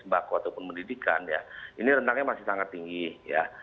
sembako ataupun pendidikan ya ini rentangnya masih sangat tinggi ya